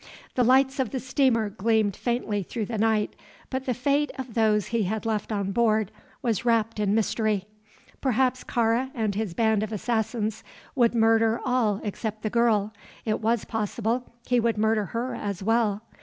The lights of the steamer gleamed faintly through the night, but the fate of those he had left on board was wrapped in mystery. Perhaps Kāra and his band of assassins would murder all except the girl; it was possible he would murder her as well.